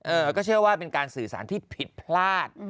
เออก็เชื่อว่าเป็นการสื่อสารที่ผิดพลาด